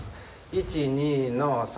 １２の３。